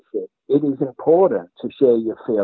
itu penting untuk berbagi perasaan anda